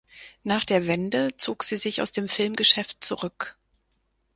Nach der Wende zog sie sich aus dem Filmgeschäft zurück.